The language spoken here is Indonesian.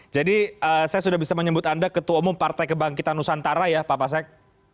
jadi saya sudah bisa menyebut anda ketua umum partai kebangkitan nusantara ya pak pasek